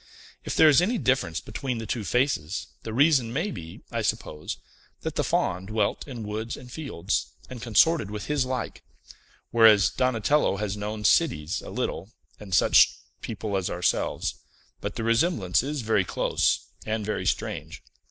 "If there is any difference between the two faces, the reason may be, I suppose, that the Faun dwelt in woods and fields, and consorted with his like; whereas Donatello has known cities a little, and such people as ourselves. But the resemblance is very close, and very strange."